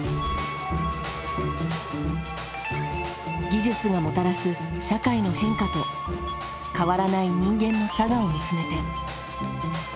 技術がもたらす社会の変化と変わらない人間の性を見つめて。